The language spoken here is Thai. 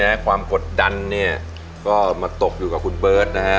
ความกดดันเนี่ยก็มาตกอยู่กับคุณเบิร์ตนะฮะ